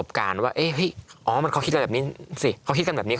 อ๋อนกว่านี้ก็ค่อนประกัน